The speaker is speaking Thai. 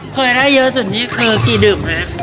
เคยได้เยอะสุดนี้คือกี่เดิม